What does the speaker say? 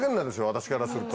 私からすると。